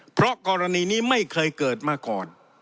เพราะกรณีนี้ไม่เคยเกิดมาก่อน